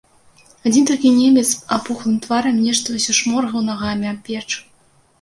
Адзін толькі немец з апухлым тварам нешта ўсё шморгаў нагамі аб печ.